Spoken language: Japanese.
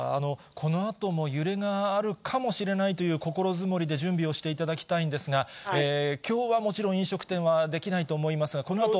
このあとも揺れがあるかもしれないという心づもりで準備をしていただきたいんですが、きょうはもちろん飲食店はできないと思いますが、このあと。